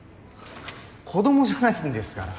子供じゃないんですから。